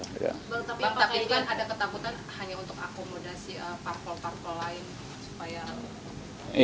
tapi kan ada ketakutan hanya untuk akomodasi parkol parkol lain